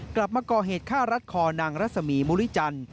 กลับมาก่อเหตุฆ่ารัดคอนางรัศมีมุริจันทร์